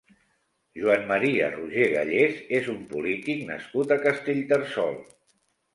Juan Maria Roger Galles és un polític nascut a Castellterçol.